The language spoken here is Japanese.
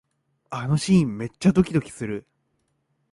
あのシーン、めっちゃドキドキする